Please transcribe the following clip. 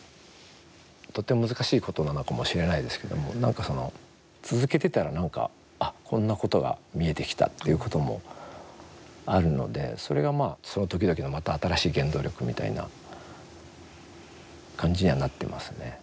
とっても難しいことなのかもしれないですけども続けてたらなんかあ、こんなことが見えてきたっていうこともあるのでそれが、まあ、その時々のまた新しい原動力みたいな感じにはなってますね。